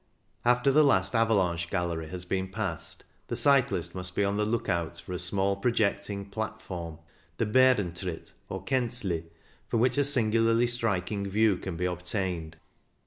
After the last avalanche gallery has been passed, the cyclist must be on the look out for a small projecting platform, the Barentritt, or Kanzli, from which a singularly striking view can be obtained.